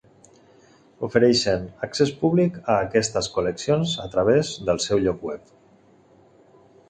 Ofereixen accés públic a aquestes col·leccions a través del seu lloc web.